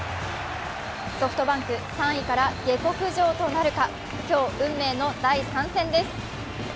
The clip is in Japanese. ソフトバンク、３位から下克上となるか、今日運命の第３戦です。